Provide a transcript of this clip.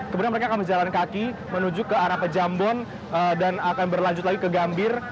kemudian mereka akan berjalan kaki menuju ke arah pejambon dan akan berlanjut lagi ke gambir